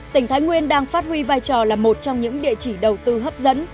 tỉnh thái nguyên đang phát huy vai trò là một trong những địa chỉ đầu tư hấp dẫn